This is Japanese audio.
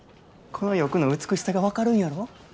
この翼の美しさが分かるんやろ。